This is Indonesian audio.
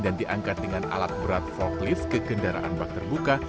dan diangkat dengan alat berat forklift ke kendaraan bakter buka